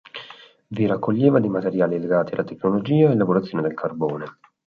Vi raccoglieva dei materiali legati alla tecnologia e lavorazione del carbone.